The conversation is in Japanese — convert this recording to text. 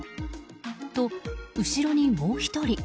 と、後ろにもう１人。